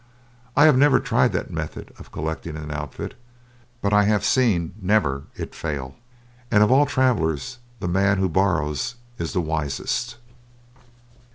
I have never tried that method of collecting an outfit, but I have seen never it fail, and of all travellers the man who borrows is the wisest.